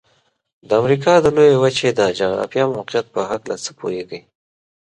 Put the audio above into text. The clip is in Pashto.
د امریکا د لویې وچې د جغرافيايي موقعیت په هلکه څه پوهیږئ؟